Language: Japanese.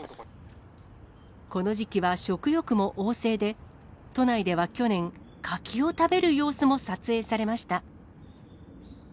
この時期は食欲も旺盛で、都内では去年、柿を食べる様子も撮影されました。